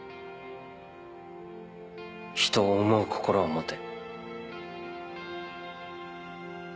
人を思う心は持て。